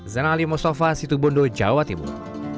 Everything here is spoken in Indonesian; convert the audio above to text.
zanali mustafa situbondo jawa timur